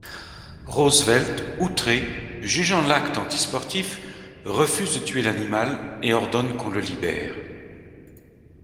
Roosevelt, outré, jugeant l'acte anti-sportif, refuse de tuer l'animal et ordonne qu'on le libère.